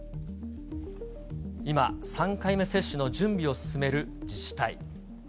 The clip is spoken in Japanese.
今、３回目接種の準備を進める自治体。